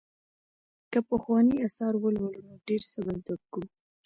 که پخواني آثار ولولو نو ډېر څه به زده کړو.